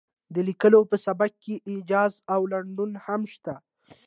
د لیکوال په سبک کې ایجاز او لنډون هم شته.